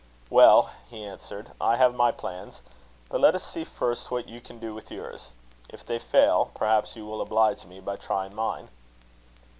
"Well," he answered, "I have my plans; but let us see first what you can do with yours. If they fail, perhaps you will oblige me by trying mine."